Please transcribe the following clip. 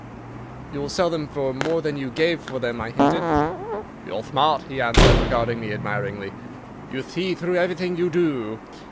"You will sell them for more than you gave for them," I hinted. "You're thmart," he answered, regarding me admiringly, "you thee through everything you do."